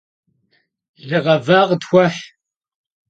Lığeva khıtxueh!